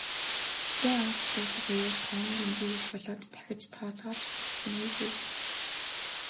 "Хүлээн авалт дуусах үеэр тоо нь дэндүү их болоод дахиж тооцоолж ч чадсангүй" гэв.